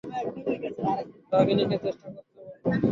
রাঘিনীকে চেষ্টা করতে বলব।